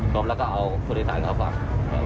สบแล้วก็เอาโทรศาสตร์เข้าฝั่ง